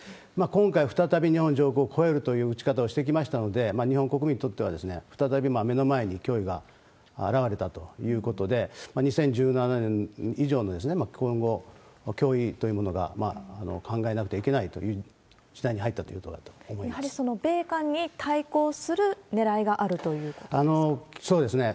今回再び日本上空を越えるという撃ち方をしてきましたので、日本国民にとっては、再び目の前に脅威が現れたということで、２０１７年以上の、今後、脅威というものが考えなくてはいけないという時代に入ったというやはり米韓に対抗するねらいそうですね。